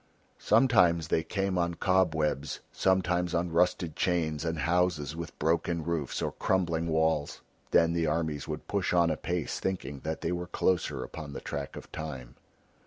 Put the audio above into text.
Sometimes they came on cobwebs, sometimes on rusted chains and houses with broken roofs or crumbling walls. Then the armies would push on apace thinking that they were closer upon the track of Time.